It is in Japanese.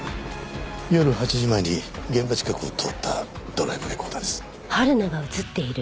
夜８時前に現場近くを通ったドライブレコーダーです。